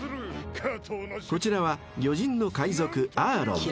［こちらは魚人の海賊アーロン］